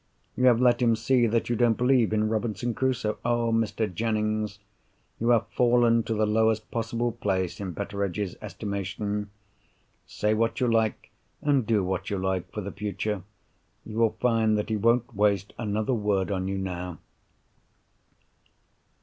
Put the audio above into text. You have let him see that you don't believe in Robinson Crusoe? Mr. Jennings! you have fallen to the lowest possible place in Betteredge's estimation. Say what you like, and do what you like, for the future. You will find that he won't waste another word on you now."